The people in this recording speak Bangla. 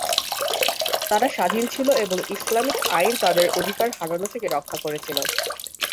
তারা স্বাধীন ছিল এবং ইসলামিক আইন তাদের অধিকার হারানো থেকে রক্ষা করেছিল।